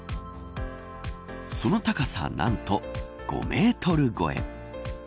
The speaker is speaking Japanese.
その高さ、何と５メートル超え。